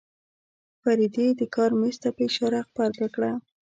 فريدې د کار مېز ته په اشاره غبرګه کړه.